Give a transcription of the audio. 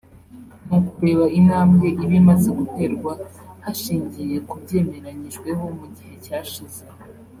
ni ukureba intambwe iba imaze guterwa hashingiye ku byemeranyijweho mu gihe cyashize